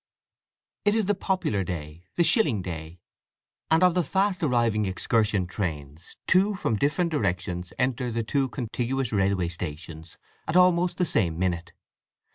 It is the popular day, the shilling day, and of the fast arriving excursion trains two from different directions enter the two contiguous railway stations at almost the same minute.